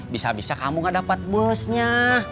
bisa bisa kamu gak dapat busnya